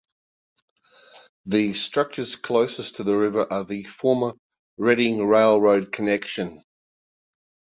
The structures closest to the river are the former Reading Railroad connection.